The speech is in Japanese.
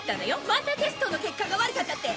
またテストの結果が悪かったって。